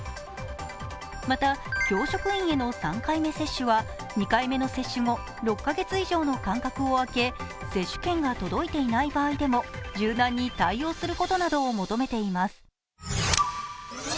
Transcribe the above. また、教職員への３回目接種は２回目の接種後６カ月以上の間隔をあけ、接種券が届いていない場合でも柔軟に対応することなどを求めています。